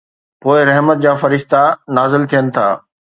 پوءِ رحمت جا فرشتا نازل ٿين ٿا.